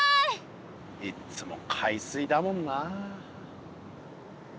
いっつも海水だもんな。